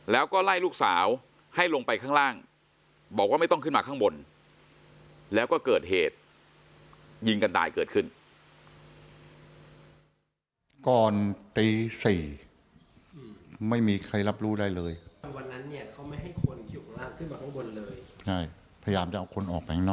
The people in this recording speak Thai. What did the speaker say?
แล้วก็ไล่ลูกสาวให้ลงไปข้างล่างบอกว่าไม่ต้องขึ้นมาข้างบนแล้วก็เกิดเหตุยิงกันตายเกิดขึ้น